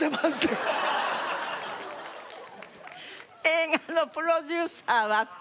「映画のプロデューサーは」って？